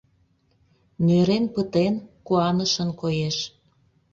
Нӧрен пытен, куанышын коеш.